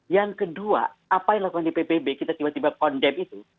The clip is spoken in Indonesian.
yang ke dua apa yang dilakukan di ppp kita tiba tiba condemn itu